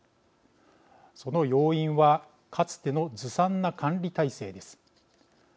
その要因はかつてのずさんな管理体制です。